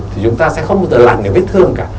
thì chúng ta sẽ không bao giờ làm được vết thương cả